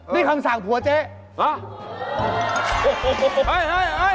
นี่คำสั่งผัวเจ๊